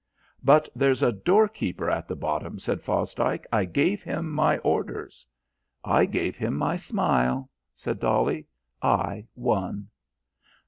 "But there's a doorkeeper at the bottom," said Fosdike. "I gave him my orders." "I gave him my smile," said Dolly. "I won."